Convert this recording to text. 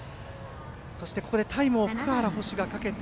そしてここでタイムを福原捕手がかけて。